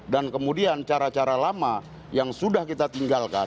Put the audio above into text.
dan kemudian cara cara lama yang sudah kita tinggalkan